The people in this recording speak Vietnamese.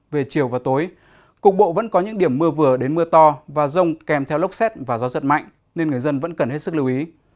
về chiều và tối cục bộ vẫn có những điểm mưa vừa đến mưa to và rông kèm theo lốc xét và gió giật mạnh nên người dân vẫn cần hết sức lưu ý